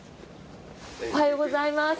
おはようございます。